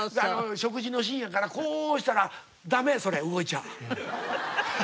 食事のシーンやからこうしたら「ダメそれ動いちゃ」って言われたのは。